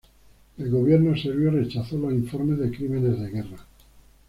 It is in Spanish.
El Gobierno serbio rechazó los informes de crímenes de guerra.